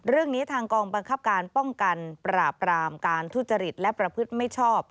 เรื่องนี้ทางกองบังคับการป้องกันปราบรามการทุจริตและประพฤติไม่ชอบ